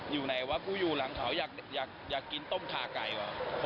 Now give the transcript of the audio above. อยู่ไหนวะกูอยู่หลังเขาอยากกินต้มขาไก่ว่ะ